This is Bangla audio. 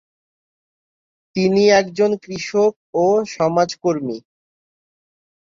তিনি একজন কৃষক ও সমাজকর্মী।